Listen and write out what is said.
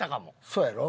そうやろ。